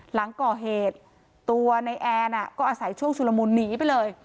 หลังก่อเหตุตัวในแอนก็อาศัยช่วงชุลมุนหนีไปเลย